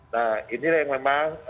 nah ini yang memang